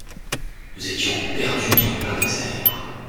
Nous étions perdus en plein désert.